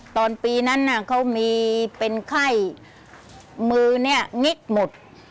ตอนปีนั้นเขามีเป็นไข้มือเนี่ยงิกหมด